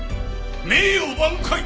名誉挽回！